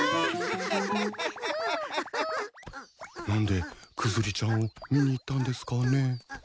何でクズリちゃんを見に行ったんですかね？